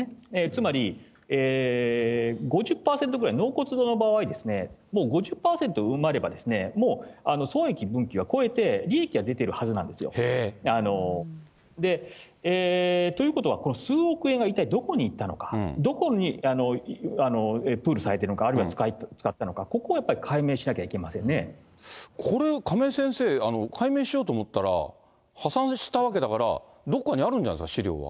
つまり５０％ぐらい、納骨堂の場合、もう５０％埋まれば、もう損益は超えて、利益が出てるはずなんですよ。ということは数億円は一体どこにいったのか、どこにプールされているのか、あるいは使ったのか、ここをやっぱり解明しなきゃいけこれ、亀井先生、解明しようと思ったら破産したわけだからどっかにあるんじゃないですか？